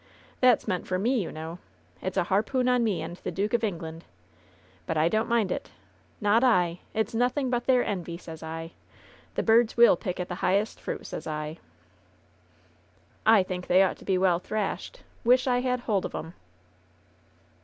That's meant for me, you know ! It's a harpoon on me and the Duke of England ! But I don't mind it ! Not I ! It's nothing but their envy, sez I. The birds will pick at the highest fruit, sez I !" "I think they ought to be well thrashed ! Wish I had hold of 'em!"